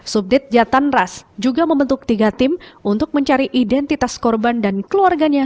subdit jatan ras juga membentuk tiga tim untuk mencari identitas korban dan keluarganya